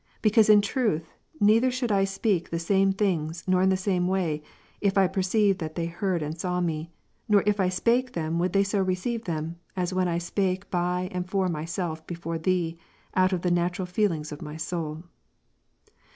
j Because in truth neither should I speak the same things, nor [in the same way, if I perceived that they heard and saw me ; Inor if I spake them would they so receive them, as when I [spake by and for myself before Thee, out of the natural feelings of my soul.